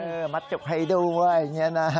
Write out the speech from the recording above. เออมัดจุกให้ดูว่าอย่างนี้นะฮะ